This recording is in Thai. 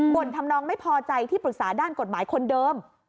่นทำนองไม่พอใจที่ปรึกษาด้านกฎหมายคนเดิม